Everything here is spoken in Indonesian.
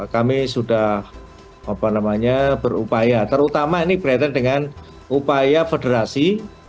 kami sudah berupaya terutama ini berkaitan dengan upaya federasi